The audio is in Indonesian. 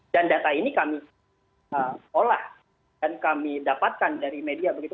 dan data ini kami olah dan kami dapatkan dari media begitu